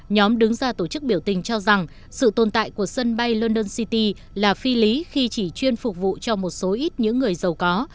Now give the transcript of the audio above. nhóm đứng ra tổ chức biểu tình cho rằng sự tồn tại của sân bay london city là phi lý khi chỉ chuyên phục vụ cho một số ít những người giàu có